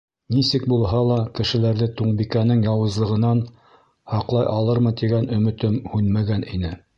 Нисек булһа ла кешеләрҙе Туңбикәнең яуызлығынан һаҡлай алырмын тигән өмөтөм һүнмәгән ине.